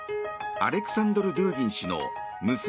アレクサンドル・ドゥーギン氏の娘